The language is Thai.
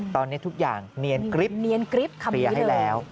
ตอนนี้ทุกอย่างเนียนกริ๊ปเตรียให้แล้ว